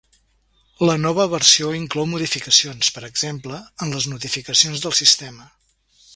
La nova versió inclou modificacions, per exemple, en les notificacions del sistema.